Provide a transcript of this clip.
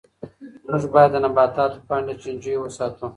موږ باید د نباتاتو پاڼې له چنجیو وساتو.